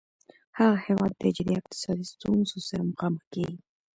هغه هیواد د جدي اقتصادي ستونځو سره مخامخ کیږي